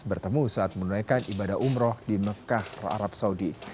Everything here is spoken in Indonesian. bertemu saat menunaikan ibadah umroh di mekah arab saudi